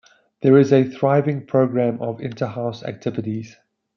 There is a thriving programme of inter-House activities.